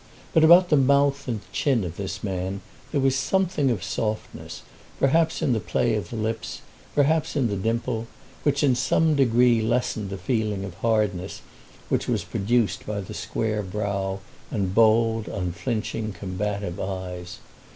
But about the mouth and chin of this man there was a something of softness, perhaps in the play of the lips, perhaps in the dimple, which in some degree lessened the feeling of hardness which was produced by the square brow and bold, unflinching, combative eyes.